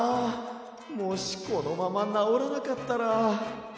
もしこのままなおらなかったら。